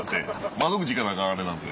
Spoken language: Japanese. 窓口行かなアカンあれなんで。